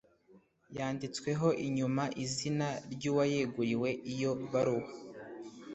yanditsweho inyuma izina ry uwayeguriwe iyo baruwa